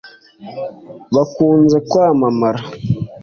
bakunze kwamamara